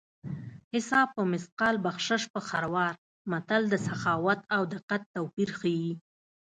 حساب په مثقال بخشش په خروار متل د سخاوت او دقت توپیر ښيي